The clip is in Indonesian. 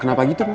kenapa gitu mama